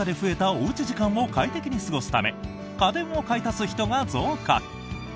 おうち時間を快適に過ごすため家電を買い足す人が増加。